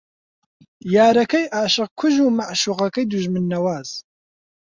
یارەکەی عاشق کوژ و مەعشووقەکەی دوژمن نەواز